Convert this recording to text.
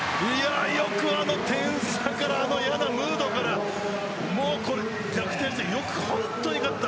よく、あの点差からあの嫌なムードから逆転してよく本当に勝った。